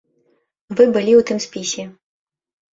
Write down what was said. Вы былі ў тым спісе.